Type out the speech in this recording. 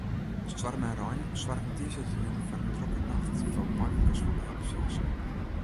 Stoarm en rein soargen tiisdeitejûn foar in drokke nacht foar meiwurkers fan de helptsjinsten.